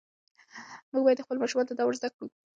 موږ باید خپلو ماشومانو ته دا ور زده کړو.